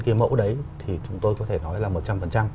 cái mẫu đấy thì chúng tôi có thể nói là